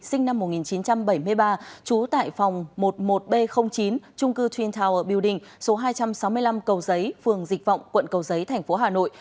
sinh năm một nghìn chín trăm bảy mươi ba trú tại phòng một mươi một b chín trung cư twin tower building số hai trăm sáu mươi năm cầu giấy phường dịch vọng quận cầu giấy tp hà nội